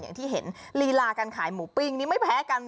อย่างที่เห็นลีลาการขายหมูปิ้งนี่ไม่แพ้กัน